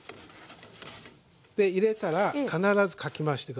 で入れたら必ずかき回して下さい。